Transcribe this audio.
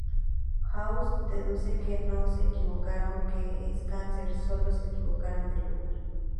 House deduce que no se equivocaron que es cáncer, sólo se equivocaron de lugar.